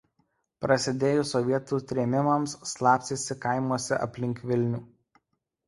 Prasidėjus sovietų trėmimams slapstėsi kaimuose aplink Vilnių.